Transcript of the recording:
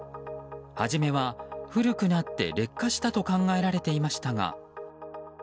初めは、古くなって劣化したと考えられていましたが。